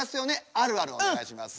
あるあるお願いします。